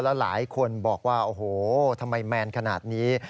หลายคนบอกว่าโอ้โหทำไมแมนขนาดนี้